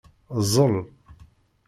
Ẓẓel.